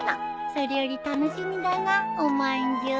それより楽しみだなおまんじゅう。